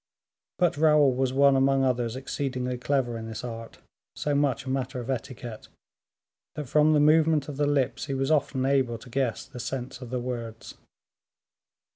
But Raoul was one among others exceedingly clever in this art, so much a matter of etiquette, that from the movement of the lips, he was often able to guess the sense of the words.